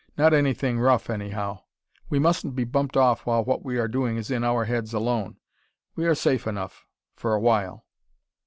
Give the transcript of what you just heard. Not anything rough, anyhow. We mustn't be bumped off while what we are doing is in our heads alone. We're safe enough for a while."